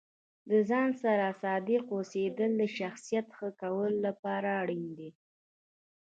د ځان سره صادق اوسیدل د شخصیت ښه کولو لپاره اړین دي.